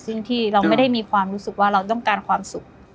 ซึ่งที่เราไม่ได้มีความรู้สึกว่าเราต้องการความสุข